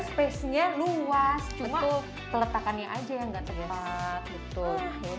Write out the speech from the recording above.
spesinya luas cuma cukup ya jadi kita bisa mencoba untuk membuatnya lebih mudah dan lebih mudah ya jadi